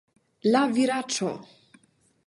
la viraĉo!